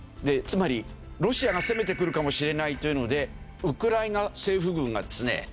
つまりロシアが攻めてくるかもしれないというのでウクライナ政府軍がですね